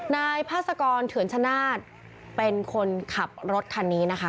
นายพาสกรเถืนชนาธิ์เป็นคนขับรถคันนี้นะคะ